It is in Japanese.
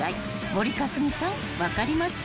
［森香澄さん分かりますか？］